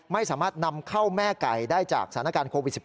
ไม่สามารถนำเข้าแม่ไก่ได้จากสถานการณ์โควิด๑๙